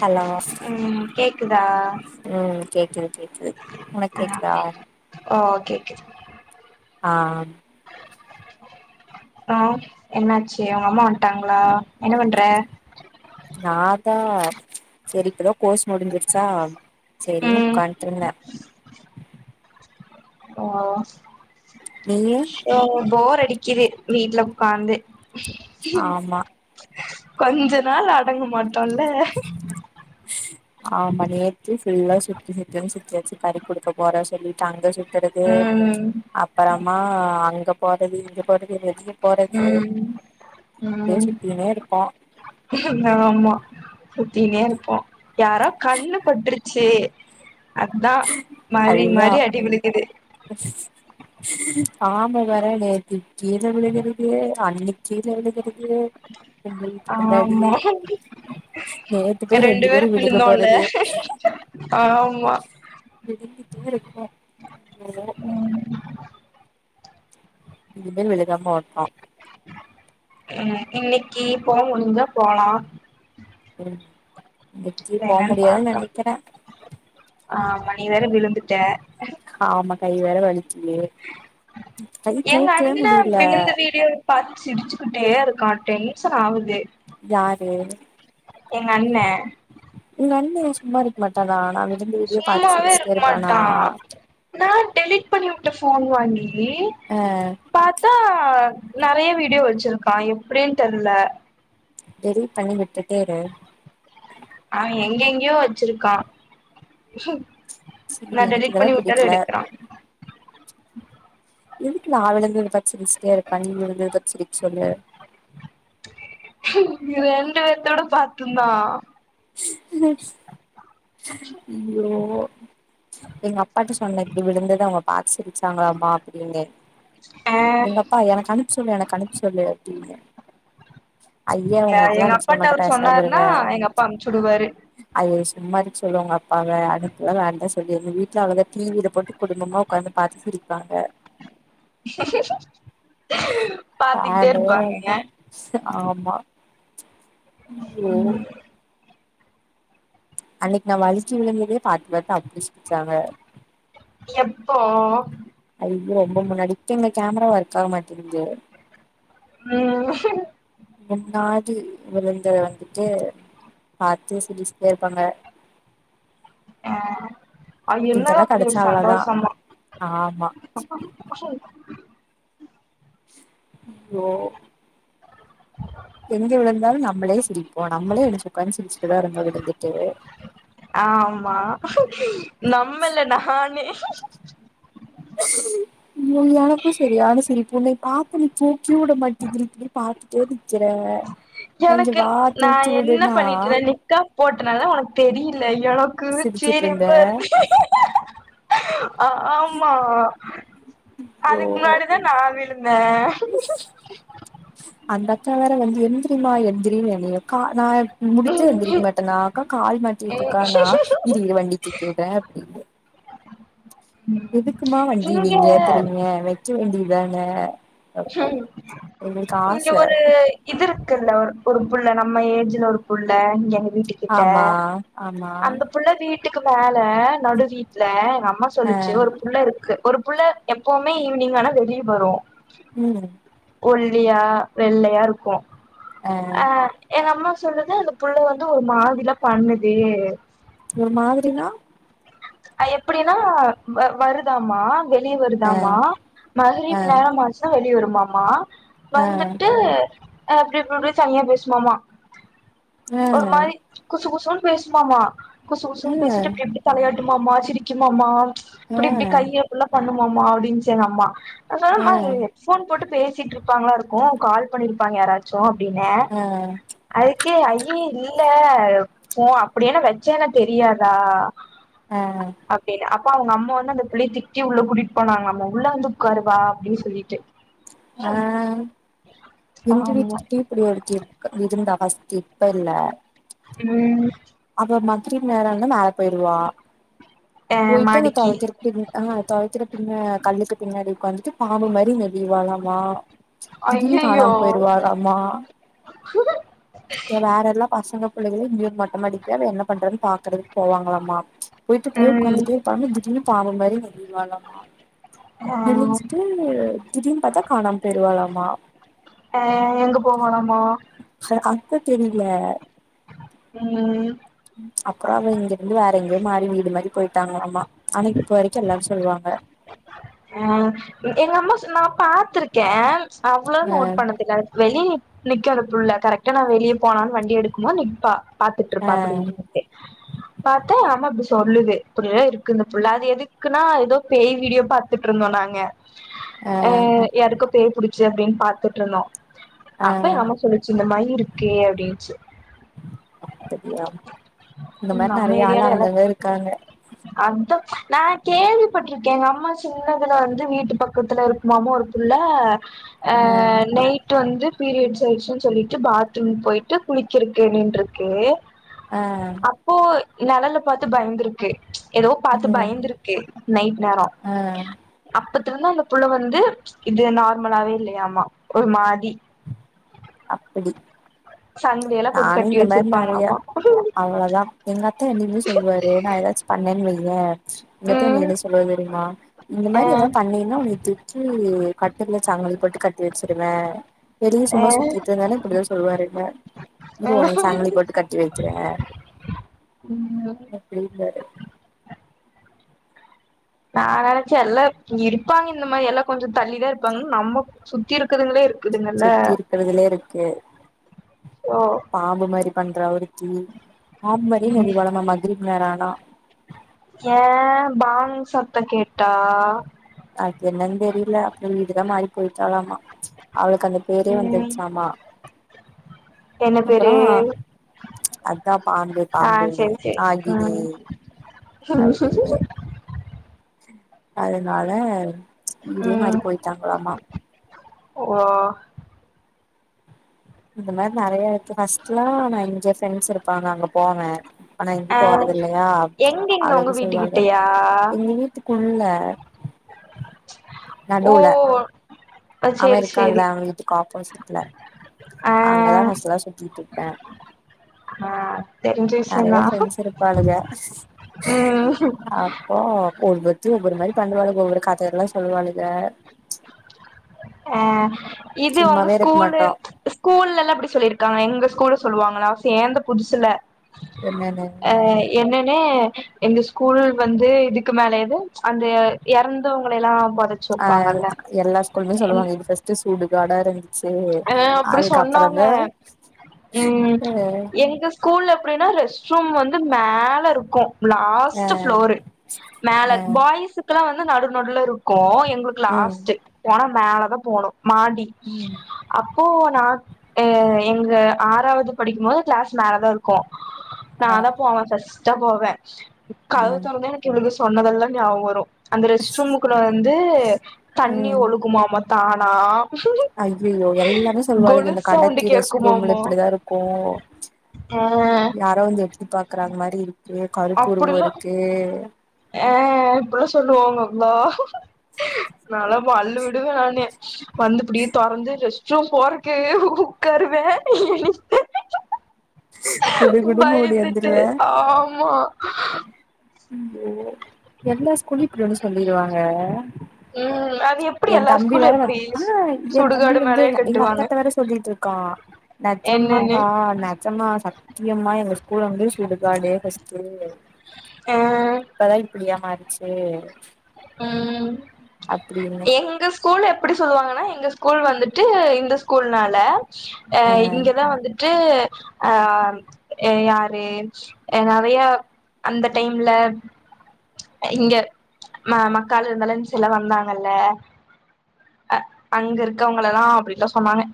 hello ம் கேக்குதா ம் கேக்குது கேக்குது உனக்கு கேக்குதா ஓ கேக்குது ஆ ஆ என்னாச்சு உங்க அம்மா வந்ட்டாங்களா என்ன பண்ற தா செரி இப்பதா கோர்ஸ் முடிஞ்சிருச்சா சேரின் ம் உக்காந்ட்ருந்தே ஓ நீயு ஸ்யோ போர் அடிக்குது வீட்ல உக்காந்து ஆமா கொஞ்ச நாள் அடங்க மாட்டோல்ல ஆமா நேத்து ஃபுல்லா சுத்தி சுத்துன் சுத்தியாச்சு கறி குடுக்க போற சொல்லிட்டு அங்க சுத் துறது ம் அப்பறமா அங்க போறது இங்க போறது வெளிய போறது ம் அப்டியே ம் சுத்தினே இருப்போ ஆமா சுத் தீனே இருப்போ யாரோ கண்ணு பட்ருச்சு அதா மாறி மாறி அடி விழுகுது ஆமா வேற நேத்திக் கீழ விழுகறது அன்னிக் கீழ விழுகற ஆம்மா நேத்து போய் ரெண்டு பேரு விழுக விழுந்தோல்ல போறது ஆமா விழுந்துட்டே இருக்கோ யோ ம் இனிமே விழுகாம ஓட்றோ ம் இன்னிக்கு போ முடிஞ்சா போலா ம் இன்னைக்கு போ வேணாலு முடியாதுன்னு பாக்கலா நெனைக்கிறே ஆமா நீ வேற விழுந்துட்ட ஆமா கை வேற வலிக்குது கை எங் தூக்கவே அண்ண முடியல விழுந்த வீடியோவ் பாத்து சிரிச்சுக்கிட்டே இருக் க்கா டென்சன் ஆவுது யாரு எங்கண்ணே உங்கண்ண ஏ சும்மா இருக் மட்டானா சும்மாவே இருக் மாட்டா நா டெலிட் பண்ணி உ ட்ட ஃபோன் வாங்கி ங்கி ஆ பாத்தா நெறய வீடியோ வச்சிருக்கா எப்டின் தெர்ல டெலிட் பண்ணி விட்ரு [unintelligible] எங்கெங்யோ வச்சுருக்கா சரி நா எனக்கு டெலிட் இதெல்லா பண்ணி உட்டாலு புடிக்கல எடுக்றா எதுக்கு நா விழுந்தது [unintelligible] ருக்கா நீ விழுந்தது [unintelligible] சொல்லு ரெண்டு பேத்தோட பார்ட்டு ந்தா [unintelligible] ஐயோ [inaudible] எங் அப்பாட்ட சொன்னக் நீ [unintelligible] அவ்ங் சிரிச்சாங்ளாமா அப்டின்னு ஆஹ் எங்க அப்பா எனக்கு அனுப் சொல்லு எனக் அனுப் சொல்லு அப்டினு ஐய எ உங்ளுக்லா எங்க அனுப் சொல்ல மாட்ட பேசாமருங்க உடுவாரு இந் மாரி சொல்லு உங் அப்பாவ அதுக்லா வேறதா சொல்லிரு எங் வீட்ல அவ்ள தா டிவி ல போட்டு குடும்பமா உக்காந்து பாத்து சிரிப்பாங்க பாத்துக்கிட்டே வேண்டவே ருப்பாங்க ங்க [inaudible] யோ அன்னிக் நா வலுக்கி விழுந்ததே பாத்து பாத்து அப்டி சிர்ச்சாங்க எப்போ அது ரொம்போ முன்னாடி எங்க கேமரா ஒர்க் ஆக மாட்டிக்குது ம் முன்னாடி விழுந்த வந்துட்டு பாத்து சிரிச்ட்டேருப்பாங்க ஆ ஆ என்ன தா இதெல்லா அப்டி ஒரு கெடச்சா அவ்ளதா சந்தோசமோ ஆமா [unintelligible] யோ எங்க விழுந்தாலு நம்ளே சிரிப்போ நம்ளே எலுஞ்சு உக்காஞ்சு சிரிச்சுட்டுதா ருந்தோ விழுந்துட்டு ஆமா நம்மள நானே ம் எனக்கு சரியான சிரிப்பு னே பாத்து நீ தூக் கி உட மாட்டிகிரிங்க பாவி எது எனக்கு நா தூக்கி என்ன விடுன்னா பண்ணிட்ருந்த நிக்கா போட்டனால தா ஒனக் தெரில எனக்கு சிரிச்சுட்டு இருந்த சிரிப்பா இரு ஆமா ஐயோ அதுக்கு முன்னாடிதா நா விழுந்தே சரிமா எந்திரனு என்னைய கா நா முடிச்ச எழுந்திரிக்க விழுந்தே மாட்டேனாக்கா கால் மாட்டிட்டு இருக்கானா இரு வண்டிக்கேத்தியுறே அப்டின்னு எதுக்குமா வண்டி இங்க நீங்க தெரியங்க வச்சு வண்டி அதானே ம் இங்க ஒரு இது இருக்குல்ல ஒரு ஒரு புள்ள நம்ம ஏஜ்ல ஒரு புள்ள இங்க எங்க வீட்டு கிட்ட ஆமா ஆமா அந்த புள்ள வீட் டுக்கு மேல நடு வீட்ல அம்மா ஆ சொல்லிச்சு ஒரு புள்ள இருக்கு ஒரு புள்ள எப்பவுமே ஈவினிங் ஆனா வெளிய வரும் ம் ஒல்லியா வெள்ளையா இருக்கு ஆ அஹ் எங்கம்மா சொல்லுது அந்த புள்ள வந்து ஒரு மாதில பண்ணுது ஒரு மாதிரி நா எப்டின்னா வ வருதாமா வெளிய ஆ வருதாமா ஆ [unintelligible] நேரம் ஆச்சுனா வெளிய வரு மா மா ஆ வந்துட்டு எப்படி ப்டி ப்டி தனியா பேசுமாம்மா ஆ ஆ ஒரு மாறி குசு கு போன் பேசுமாமா ஆ குசுகுசுன் பேசிட்டு இப்டி இப்டி தலையாட் மா மா சிரிக்குமாமா ஆ இப்டி இப்டி கைய இப்டில்லா பண்ணு ஆமா அப்டின்னுச்சு எங்கம்மா [unintelligible] போன் போட்டு பேசிட்டு இருப்பாங்களா இருக்கு கால் பண்ணிருப்பாங்க யாராச்சு அப்டினே ஆ அதுக் க்கு ஐயே இல்ல போ அப்டியேனு வச்சேனா தெரியாதா அப்டினு அ அப்ப அவங்க அம்மா வந்து அந்த பிள்ளைய திட்டி உள்ள கூட்டிட்டு போனாங்கலாமா உள்ள வந்து உக்காரு வா அப்டின்னு சொல்லிட்டு அஹ் இந்து ஆமா வீட்டுக்கிட்ட இப்டி ஒருத்தி இருக் இருந்தா ஃபர்ஸ்டி இப்ப இல்ல உம் அப்ப [unintelligible] வா ஆ போயிட்டு அந்த மாடிக்கி துவைக்கறக் பின் ஆ துவைக்கற பின்ன கல்லுக்கு பின்னாடி உக்காந்துட்டு பாம்பு மாரி நெளிவாளா ளா திடீர்னு ஐயையோ காணாம போயிருவாளாமா இல்ல வேற எல்லா பசங்க பிள்ளைங்கள மேல் மொட்ட மாடிக் போய் அவ என்ன பண்றன்னு பாக்குறதுக்கு போவாங்களாமா போய்ட்டு பியு ம் உக்காந்துட்டே இருப்பாங்க திடீர்னு பாம்பு மாரி நெளி வாளமா ஆ நெளிஞ்சுட்டு திடீனு பாத்தா காணாம போயிருவாளாமா ஆ எங்க போகலாமா அ அதா தெரில ம் அப்பற அவ இங்க இருந்து வேற எங்கயோ மாறி வீடு மாறி போயிட்டாங்களாமா ஆனா இப்ப வரைக்கு எல்லாரு சொல்லுவாங்க அ எங்க அம்மா சொன்னா நா பாத்துருக்கே அவ்வளா நோட் பண்ணதில வெளிய நிக் நிக்கு அந்த புள்ள கரெக்டா நா வெளிய போலான்னு வண்டி எடுக்குமோ நிப்பா ஆ பாத்துட்ருப்பா அப்டி நின்னுட்டு பாத்தா ஆமா பிஸ் சொல்லுது அப்டில்லா இருக்கு இந்த புள்ள அது எதுக்குன்னா ஏதோ பேய் வீடியோ பா துட்ருந்தோ நாங்க ஆ யாருக்கோ பே புடிச்ச அப்டின் பாத்துட்ருந்தோ ஆ அப்ப எங்கம்மா சொன்னுச்சு இந்த மாய் இருக்கு அப்டின்ச்சு அப்படியா இந்த மாரி நம்ம நறையா ஆளு ஏரியால அங்கங்க இருக்காங்க அதா நா கேள்விப்பட்ருக்கே எங்கம்மா சின்னதுல வந்து வீட்டு பக்கத்துல இருக்குமாமா ஒரு புள்ள ஆ நைட்டு வந்து பீரியட்ஸ் ஆய்ச்சுன் சொல்லிட்டு பாத்ரூம் போயிட்டு குளிக்கிருக்கு நின்ருக்கு ஆ அப்போ நெழல பாத்து பயந்துருக்கு ஏதோ பாத்து ம் பயந்த்ருக்கு நைட் நேரொ ஆ அப்பத்துலருந்து அந்த புள்ள வந்து இது நார்மலாவே இல்லையாமா ஒரு மாரி அப்டி சங்கிலி எல்லா போட்டு நானு கட்டி இந்த மாரி நறைய வச்சிருப்பாங்களாமா அவ்ளொதா எங்க அத்த என்னைக்குமே சொல்வாரு நா ஏதாச்சு பண்ணேன் வெய்யே எங்க அத்தா என்ன ம் என்ன சொல்லுவாரு தெரியுமா இந்த அ மாரி ஏதாவது பண்ணீன்னா உன்னை தூக்கி கட்டில்ல சங்கலி போட்டு கட்டி வச்சிருவே வெளிய அ சும்மா சுத்திட்டு இருந்தானே இப்டிதா சொல்லுவாரு என்ன அ இரு ஒன்னைய சங்கலி போட்டு கட்டி வைக்கிறே ம் அப்டிம்பாரு நா நெனச்ச எல்லா இருப்பாங்க இந்த மாரி எல்லா கொஞசோ தள்ளிதா இருப்பாங்க நம்ம சுத்தி இருக்குதுகளே இருக் சுத்தி இருக்குறதுலேருக்கு ஓ பாம்பு மாரி பண்றா ஒருத்தி பாம்பு மாரி நெலிவளமா மாதிரி வேறானா ஏ பாங் சத்த கேட்டா அதுக்கென்னன் தெரியல அப்புற வீடுதா மாறி போயிட்டாளாமா ச் அவளுக்கு அந்த பேரே ம் வந்துருச்சாமா என்ன அப்பற பேரு அதா பாம்பு ஆ பாம்புனே செரி செரி ஆகினே ம் அப்டின்னு அதனால வீடே மாரி ம் போயிட்டாங்ளாமா ஓ இந்த மாரி நெறைய ஃபர்ஸ்ட்லா நா இங்க ஃரெண்ட்ஸ் இருப்பாங்க அங்க போவே ஆனா ஆ எங்கயு போறது இல்லையா எங்கங்க உங்க அவளனு சொல்லுவாங்க வீட்டுக்கிட்டயா எங்க வீட்டுக்கு உள்ள ஓ நடுல அ அவ சேரி இருக்கான்ல சேரி அவங் வீட்டுக் ஆப்போசிட் ல ஆ அங்கதா ஃபஸ்ட்லா சுத்திட்ருப்பே ஆ தெரிஞ்ச நெறைய விஷயம்தா ஃப்ரெண்ட்ஸ் இருப்பாளுக அப்போ கோட் வேர்ட் ஒவ்வொரு மாதி பண்ணுவாளுக ஒவ்வொரு கதலா சொல்லுவாலுக ஆ இது உங்க ஸ்கூல்ல மாட்டோ ஸ்கூல்லல்லா அப்படி சொல்லிருக்காங்க எங்க கூட சொல்வாங்ளா சேந்த புதுசுல என்னன்னு அ என்னனு எங்க ஸ்கூல் வந்து இதுக்கு மேலே எது அந்த எ எறந்தவங்களெல்லா போ அ எல்லாஸ் ஸ்கூல்லையு சொல்லுவாங்க இது ஃபர்ஸ்ட் ஸ்கூல் சுடு காடா இருந் அ அப்டி சொன்னாங்க உம் அ எங்க ஸ்கூல்ல எப்படினா ரெஸ் ரூம் வந்து மேலருக்கு அ லாஸ்ட்டு ஃப்ளோர் மேல அ பாய்ஸ்க்லா வந் நடு நடுலருக்கு எ ங்களுக்கு ம் லாஸ்ட்டு போன் நா மேல தா போணு மாடி ம் போ நா எ எங்க ஆறாவது படிக்கும் போது கிளாஸ் மேலதா இருக்கு அ நான்தா போவ ஃபர்ஸ் ட்டா போவே அ கதவ தொறந்தா எனக்கு இவளுக சொன்னதெல்லா ஞாபக வரு அந்த ரெஸ்ட் ரூம்க்குள்ள வந் து தண்ணி ம் ஒழுகுமாமா தானா ஐயயோ எல்லாமே சொல்லுவாளுங்க இந்த கொலுசு சவுண்டு கடத்தி ரெஸ்ட் ரூம்ல கேக்குமாமா இப்டிதா இருக்கு ஆ யாரோ வந்து எட்டி பாக்ற மாரி இருக் கு கருப்பு உருவோ இருக்கு அ அப்டில்லா சொல்லுவாங்ககா நாலா பல்லு விடுவ நானு வந்து இப்டியே தொறந்து ரெஸ்ட் சூ ஃபோர்க்கு உக்காருவே குடு குடுன்னு ஓடி பயந்துட்டு வந்துருவே ஆமா ஓ எல்லா ஸ்கூல்லயு இப்டி ஒன்னு சொல்லிருவாங்க ம் அது எப்டி எந் எல்லா தம்பி ஸ்கூல்ல வேற வந் எப்டி ஆ எந் தம்பி சுடுகாடு வந்து மாரியே எங்க எங்க கட்டுவாங்க அத்தட்ட வேற சொல்லிட்ருக்கா என்னன்னு நெஜம்மாக்கா நெஜமா சத்தியமா எங்க ஸ்கூல் வந்து சுடுகாடு ஃபஸ்ட்டு ஆ இப்பதா யா மாறிச்சு ம் அப்டின்னு எங்க ஸ்கூல் எப் ப்டி சொல்லுவாங்கன்னா எங்க ஸ்கூல் வந்துட்டு இந்த ஸ்கூல்னால ஆ அ இங்கதா வந்துட் ட்டு ஆ யாரு அ நறையா அந்த டைம்ல இங்க ம [unintelligible] நல்ல அ அங்க இருக்கவங்களதா அப்டிதா சொன்னாங்க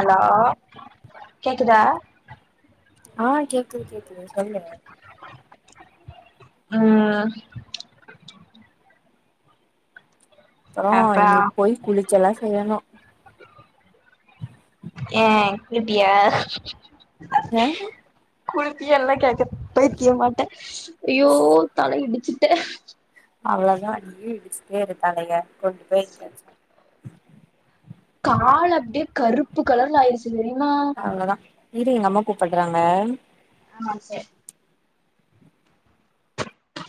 ஹலோ கேக்குதா ஆ கேக்குது கேக்குது சொல்லு ஆ அப்பறோ அப்பா இனி போய் குளிச்செல்லா செய்யணு ஏ நிப்பியா யாரு குலுக்கி எல்லா கேக்க பைத்திய மாட்ட ஐயோ தல இடிச்சு ட்டு அவ்ளதா நீயு இடிச்டே இரு தலைய கொண்டு போய் எங்கயாச்சு கால் அப்டே கருப்பு கலர்ல ஆயிருச்சு [unintelligible] அவ்ளோதா இரு எங்க அம்மா கூப்பட்றாங்க ஆமாங் சார்